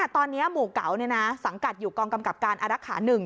ตอนนี้หมู่เก๋าสังกัดอยู่กองกำกับการอารักษา๑